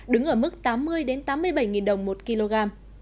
đứng ở mức tám mươi tám mươi bảy đồng một kg